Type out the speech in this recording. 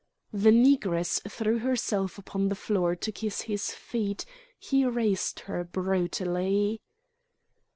The Negress threw herself upon the floor to kiss his feet; he raised her brutally.